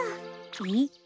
えっ？